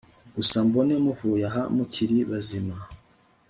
gusa mbone muvuyaha mukiri bazima